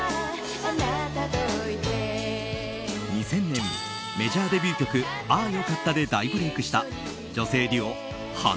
２０００年メジャーデビュー曲「あよかった」で大ブレークした女性デュオ花＊